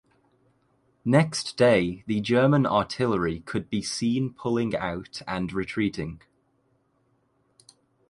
Next day the German artillery could be seen pulling out and retreating.